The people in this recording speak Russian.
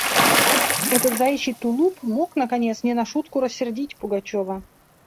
Этот заячий тулуп мог, наконец, не на шутку рассердить Пугачева.